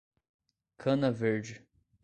Cana Verde